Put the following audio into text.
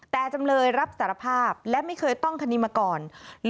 แต่จำเลยรับสารภาพและไม่เคยต้องคดีมาก่อน